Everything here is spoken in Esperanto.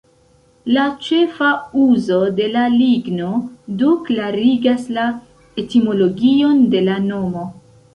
La ĉefa uzo de la ligno do klarigas la etimologion de la nomo.